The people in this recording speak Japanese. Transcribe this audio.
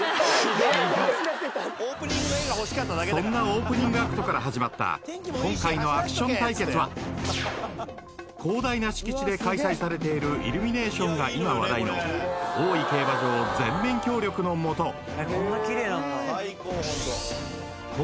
［そんなオープニングアクトから始まった今回のアクション対決は広大な敷地で開催されているイルミネーションが今話題の大井競馬場全面協力のもと］